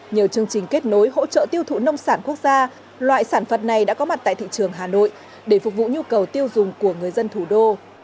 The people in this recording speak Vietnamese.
nhờ chương trình kết nối hỗ trợ tiêu thụ nông sản quốc gia loại sản phẩm này đã có mặt tại thị trường hà nội để phục vụ nhu cầu tiêu dùng của người dân thủ đô